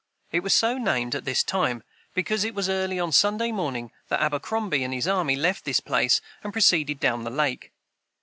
It was so named, at this time, because it was early on Sunday morning that Abercrombie and his army left this place and proceeded down the lake.